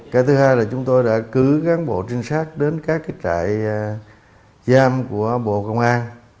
cái thứ hai là chúng tôi đã cứ cán bộ trinh sát đến các cái trại giam của bộ công an